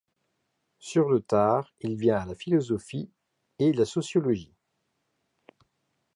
Sur le tard, il vient à la philosophie et la sociologie.